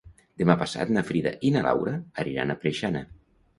Demà passat na Frida i na Laura aniran a Preixana.